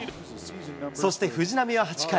そして藤浪は８回。